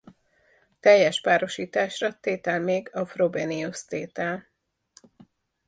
Teljes párosításra tétel még a Frobenius-tétel.